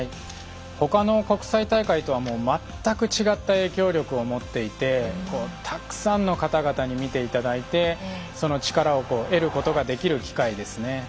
ほかの国際大会とは全く違った影響力を持っていてたくさんのかたがたに見ていただいてその力を得ることができる機会ですね。